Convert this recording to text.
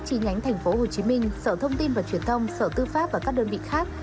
chi nhánh tp hcm sở thông tin và truyền thông sở tư pháp và các đơn vị khác